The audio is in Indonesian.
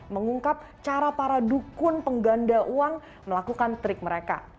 mengungkap cara para dukun pengganda uang melakukan trik mereka